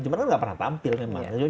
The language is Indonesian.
cuma kan nggak pernah tampil memang